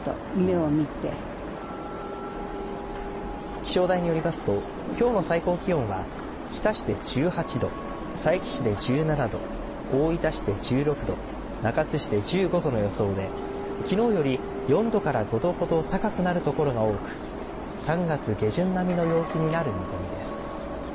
気象台によりますときょうの最高気温は日田市で１８度佐伯市で１７度大分市で１６度中津市で１５度の予想できのうより４度から５度ほど高くなる所が多く３月下旬並みの陽気になる見込みです。